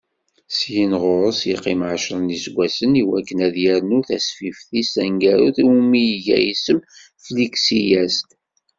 Syin ɣur-s, yeqqim ɛecra n yiseggasen, i wakken ad yernu tasfift-is taneggarut, iwumi iga isem Fliksi-as-d.